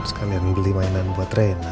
sekalian beli mainan buat ren